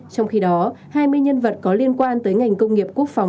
trong khi đó hai mươi nhân vật có liên quan tới ngành công nghiệp quốc phòng